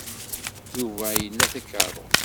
Yuba ila takeṛṛust.